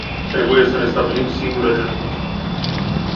Trebuie să ne stabilim singuri agenda.